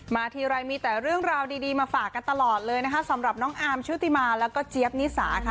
ทีไรมีแต่เรื่องราวดีมาฝากกันตลอดเลยนะคะสำหรับน้องอาร์มชุติมาแล้วก็เจี๊ยบนิสาค่ะ